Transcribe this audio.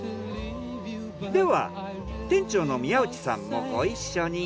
では店長の宮内さんもご一緒に。